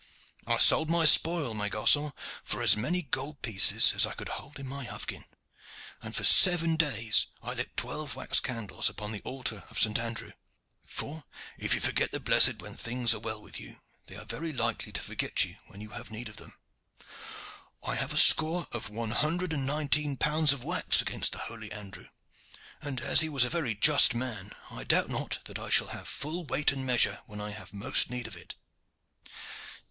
I sold my spoil, mes garcons, for as many gold pieces as I could hold in my hufken, and for seven days I lit twelve wax candles upon the altar of St. Andrew; for if you forget the blessed when things are well with you, they are very likely to forget you when you have need of them. I have a score of one hundred and nineteen pounds of wax against the holy Andrew, and, as he was a very just man, I doubt not that I shall have full weigh and measure when I have most need of it."